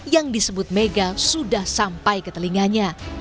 yang disebut mega sudah sampai ke telinganya